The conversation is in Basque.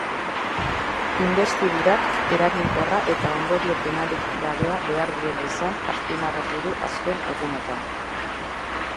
Inbestidurak eraginkorra eta ondorio penalik gabea behar duela izan azpimarratu du azken egunotan.